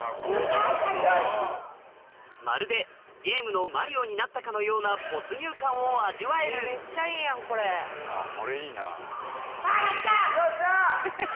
まるでゲームのマリオになったかのような没入感を味わえるよっしゃ！